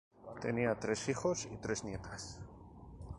Tenía tres hijos y tres nietas.